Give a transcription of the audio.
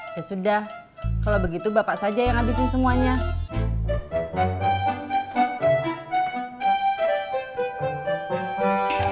ya sudah kalo begitu bapak saja yang abisin semuanya